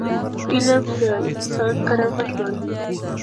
علم د انسان کرامت لوړوي.